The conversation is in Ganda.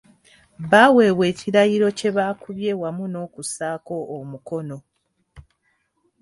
Baaweebwa ekirayiro kye baakubye wamu n'okussaako omukono.